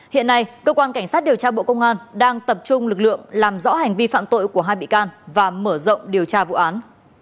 hiện nay cơ quan cảnh sát điều tra bộ công an đang tập trung lực lượng làm rõ hành vi phạm tội của hai bị can và mở rộng điều tra vụ án